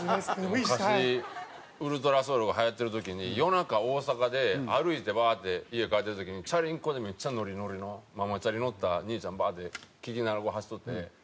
昔『ｕｌｔｒａｓｏｕｌ』がはやってる時に夜中大阪で歩いてバーッて家帰ってる時にチャリンコでめっちゃノリノリのママチャリ乗った兄ちゃんバーッて聴きながらこう走っとって。